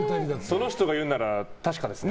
その人が言うなら確かですね。